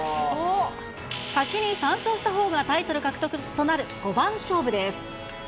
先に３勝したほうがタイトル獲得となる五番勝負です。